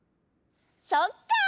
そっか！